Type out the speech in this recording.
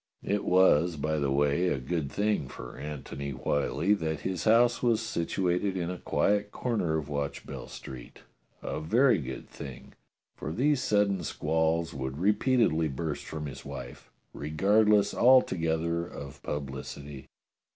VVATCHBELL STREET 251 It was, by the way, a good thing for Antony WhylHe that his house was situated in a quiet corner of Watch bell Street, a very good thing, for these sudden squalls would repeatedly burst from his wife, regardless alto gether of publicity.